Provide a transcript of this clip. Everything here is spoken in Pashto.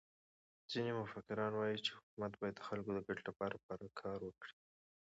ځيني مفکران وايي، چي حکومت باید د خلکو د ګټي له پاره کار وکړي.